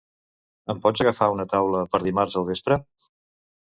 Em pots agafar una taula per dimarts al vespre?